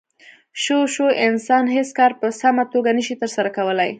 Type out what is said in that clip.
شو شو انسانان هېڅ کار په سمه توګه نشي ترسره کولی.